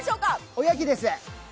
おやきです。